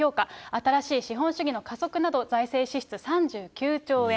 新しい資本主義の加速など、財政支出３９兆円。